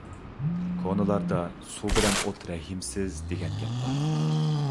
كونىلاردا: «سۇ بىلەن ئوت رەھىمسىز» دېگەن گەپ بار.